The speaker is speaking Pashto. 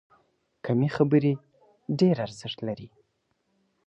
کمې خبرې، ډېر ارزښت لري.